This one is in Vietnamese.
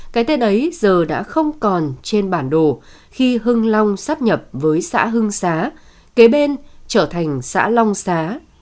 cái tên ấy giờ đã không còn trên bản đồ khi hưng long sắp nhập với xã hưng xá kế bên trở thành xã long xá